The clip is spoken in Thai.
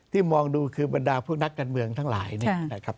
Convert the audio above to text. มองดูคือบรรดาพวกนักการเมืองทั้งหลายเนี่ยนะครับ